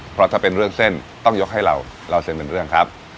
เพราะถ้าเป็นเรื่องเส้นต้องยกให้เราเล่าเส้นเป็นเรื่องครับ